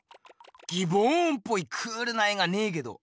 ギボーンっぽいクールな絵がねえけど。